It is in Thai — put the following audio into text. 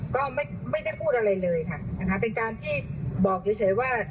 ก็ไม่ได้พูดอะไรเลยค่ะนะคะเป็นการที่บอกเฉยว่า